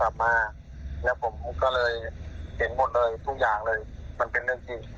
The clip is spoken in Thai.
ใช่ผมก็เลยเอาโทรศัพท์มาผมก็เลยเห็นหมดเลยทุกมันเป็นเรื่องจริง